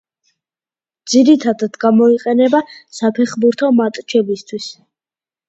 ძირითადად გამოიყენება საფეხბურთო მატჩებისთვის.